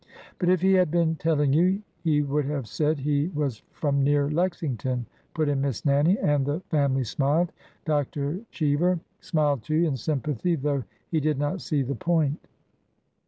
" But if he had been telling you, he would have said he was from near Lexington," put in Miss Nannie, and the family smiled. Dr. Cheever smiled, too, in sympathy, though he did not see the point.